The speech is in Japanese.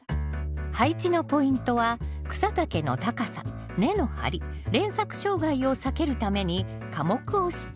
配置のポイントは草丈の高さ根の張り連作障害を避けるために科目を知っておくこと